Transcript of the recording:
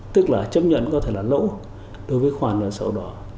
tức là chấp nhận có thể là lỗ đối với khoản nợ xấu đó